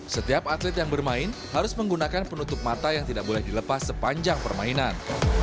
setiap atlet yang bermain harus menggunakan penutup mata yang tidak boleh dilepas sepanjang permainan